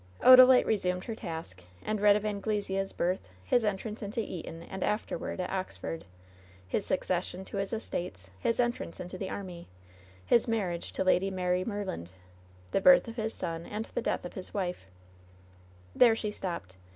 Odalite resumed her task, and read of Anglesea's birth, his entrance into Eton, and afterward at Oxford, his succession to his estates, his entrance into the army, his marriage to Lady Mary Merland, the birth of hia son, and the death of his wife. 44 LOVE'S BITTEREST CUP There she stopped.